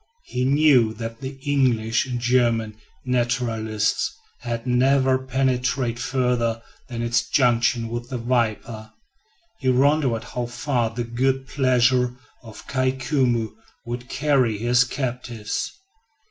He knew that the English and German naturalists had never penetrated further than its junction with the Waipa. He wondered how far the good pleasure of Kai Koumou would carry his captives?